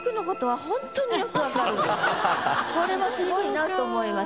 これはすごいなと思います。